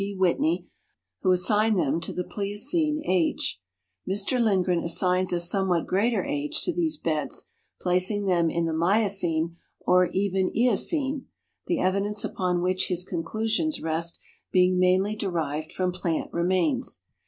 D. Whitney, who assigned them to the Plioceneage. Mr Lind gren assigns a somewhat greater age to these beds, placing them in the Miocene or even Eocene, the evidence upon which his conclusions rest being mainly derived from i)Iant remains.